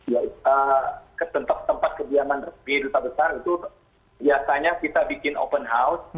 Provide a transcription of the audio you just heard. ya kita ketentak tempat kegiatan resmi duta besar itu biasanya kita bikin open house